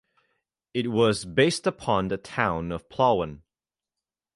It was based upon the town of Plauen.